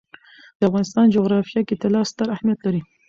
د افغانستان جغرافیه کې طلا ستر اهمیت لري.